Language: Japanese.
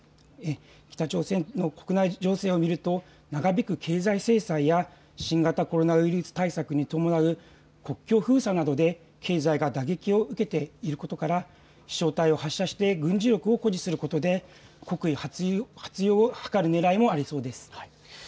北朝鮮の国内情勢を見ると長引く経済制裁や新型コロナウイルス対策に伴う国境封鎖などで経済が打撃を受けていることから飛しょう体を発射して軍事力を誇示することで国威発揚を図るねらいもありそうです。